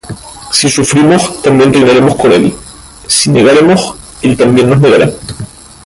Si sufrimos, también reinaremos con él: si negáremos, él también nos negará: